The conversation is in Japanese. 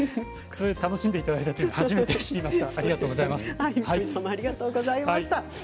楽しんでいただいたと初めて知りました。